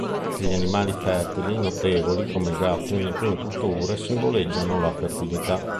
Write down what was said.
Anche gli animali fertili notevoli come il gatto in alcune culture simboleggiano la fertilità.